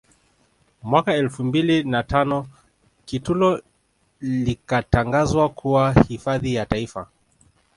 Mwaka elfu mbili na tano Kitulo likatangazwa kuwa hifadhi ya Taifa